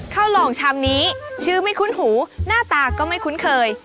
ลองชามนี้ชื่อไม่คุ้นหูหน้าตาก็ไม่คุ้นเคย